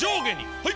はい！